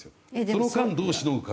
その間どうしのぐか。